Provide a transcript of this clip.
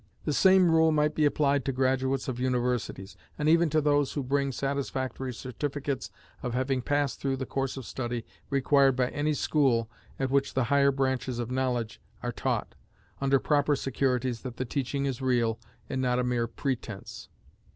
The same rule might be applied to graduates of universities; and even to those who bring satisfactory certificates of having passed through the course of study required by any school at which the higher branches of knowledge are taught, under proper securities that the teaching is real, and not a mere pretense.